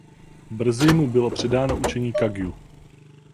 Brzy mu bylo předáno učení Kagjü.